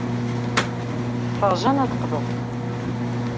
Teffeɣ Jane ad d-teqḍu.